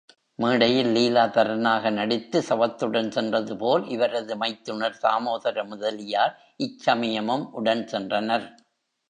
மேடையில் லீலாதரனாக நடித்து சவத்துடன் சென்றது போல், இவரது மைத்துனர் தாமோதர முதலியார், இச்சமயமும் உடன் சென்றனர்.